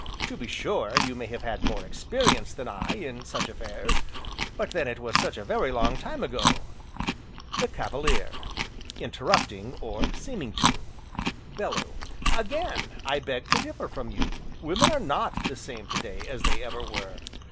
To be sure, you may have had more experience than I, in such affairs, but then, it was such a very long time ago. THE CAVALIER: (Interrupting, or seeming to)!!! BELLEW: Again, I beg to differ from you, women are not the same to day as they ever were.